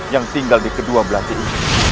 yang tinggal di kedua belah diri